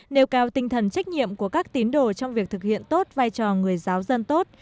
nêu cao tinh thần trách nhiệm của các tín đồ trong việc thực hiện tốt vai trò người giáo dân tốt